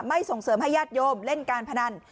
ส่งเสริมให้ญาติโยมเล่นการพนัน